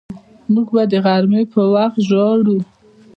موږ به د غرمې په وخت ژاړو